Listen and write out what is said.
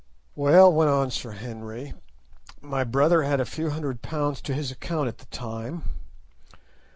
"Well," went on Sir Henry, "my brother had a few hundred pounds to his account at the time.